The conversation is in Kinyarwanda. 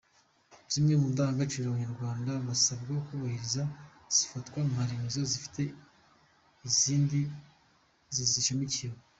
Zimwe mu ndangagaciro abanyarwanda basabwa kubahiriza zifatwa nka remezo zifite izindi zizishamikiyeho.